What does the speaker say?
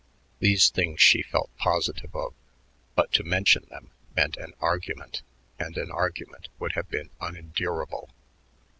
These things she felt positive of, but to mention them meant an argument and an argument would have been unendurable.